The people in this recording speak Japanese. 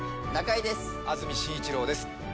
安住紳一郎です。